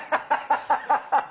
ハハハハハ！